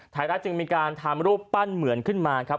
รัฐจึงมีการทำรูปปั้นเหมือนขึ้นมาครับ